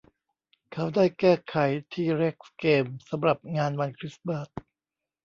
เขาได้แก้ไขทีเร็กซ์เกมสำหรับงานวันคริสต์มาส